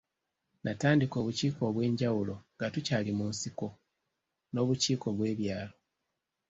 Natandika obukiiko obw’enjawulo nga tukyali mu nsiko n’obukiiko bw’ebyalo.